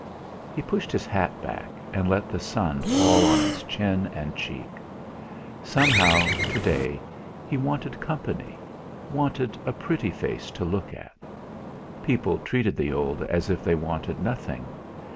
He pushed his hat back and let the sun fall on his chin and cheek. Somehow, to day, he wanted company wanted a pretty face to look at. People treated the old as if they wanted nothing.